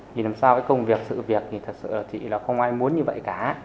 thì làm sao cái công việc sự việc thì thật sự là chị là không ai muốn như vậy cả